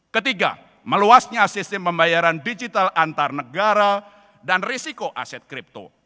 ketiga meluasnya sistem pembayaran digital antar negara dan risiko aset kripto